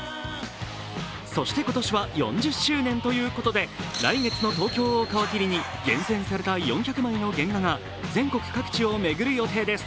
そして今年は４０周年ということで来月の東京を皮切りに厳選された４００枚の原画が全国各地を巡る予定です。